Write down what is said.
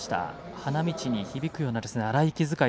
花道に響くような荒い息遣い。